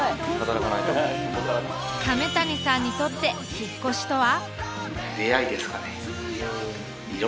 亀谷さんにとって引っ越しとは？